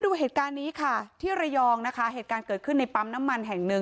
ดูเหตุการณ์นี้ค่ะที่ระยองนะคะเหตุการณ์เกิดขึ้นในปั๊มน้ำมันแห่งหนึ่ง